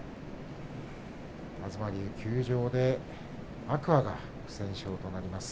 東龍休場で天空海は不戦勝となります。